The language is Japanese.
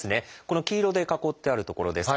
この黄色で囲ってある所です。